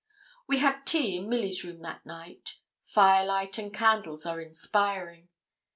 We had tea in Milly's room that night. Firelight and candles are inspiring.